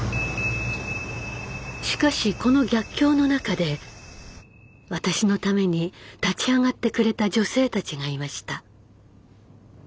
しかしこの逆境の中で私のために立ち上がってくれた女性たちがいました。